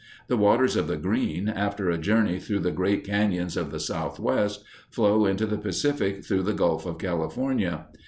The waters of the Green, after a journey through the great cañons of the Southwest, flow into the Pacific through the Gulf of California.